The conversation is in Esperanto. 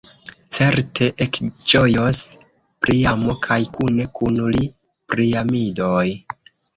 Certe, ekĝojos Priamo kaj kune kun li Priamidoj.